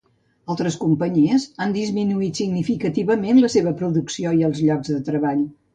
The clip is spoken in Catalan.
Altres companyies han disminuït significament la seva producció i els llocs de treball.